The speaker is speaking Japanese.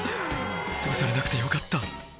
「つぶされなくてよかった」